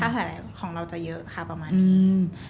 ค่าแต่แหล่วของเราจะเยอะค่ะประมาณนี้